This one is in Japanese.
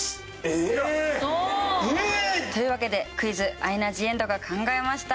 ええー！というわけで「クイズアイナ・ジ・エンドが考えました」